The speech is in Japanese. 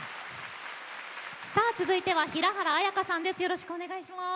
続いては平原綾香さんです。